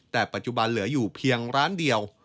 แต่ปัจจุบันเหลืออยู่เพียงร้านเดียว